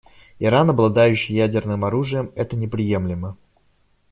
Иран, обладающий ядерным оружием, — это неприемлемо.